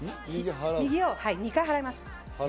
右を２回払います。